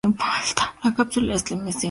La cápsula y las semillas no se ven.